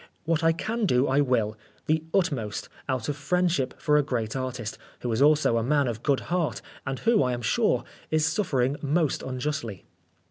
What I can do I will the utmost out of friendship for a great artist, who is also a man of good heart, and who, I am sure, is suffering most unjustly."